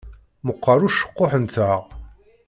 Meqqeṛ ucekkuḥ-nteɣ.